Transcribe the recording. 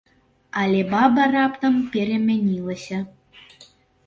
Але баба раптам перамянілася.